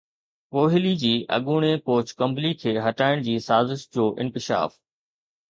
ڪوهلي جي اڳوڻي ڪوچ ڪمبلي کي هٽائڻ جي سازش جو انڪشاف